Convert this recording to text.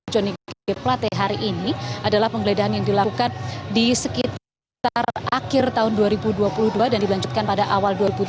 johnny g plate hari ini adalah penggeledahan yang dilakukan di sekitar akhir tahun dua ribu dua puluh dua dan dilanjutkan pada awal dua ribu dua puluh